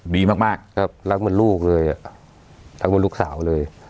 ดีมากครับรักเหมือนลูกเลยรักเหมือนลูกสาวเลย